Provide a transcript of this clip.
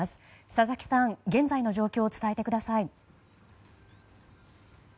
佐々木さん、現在の状況を伝えてください。